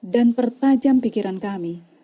dan pertajam pikiran kami